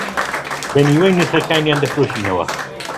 بە نیوەی نرخەکانیان دەفرۆشینەوە